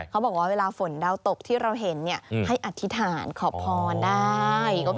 เขาบอกว่าเวลาฝนดาวตกที่เราเห็นให้อธิษฐานขอพรได้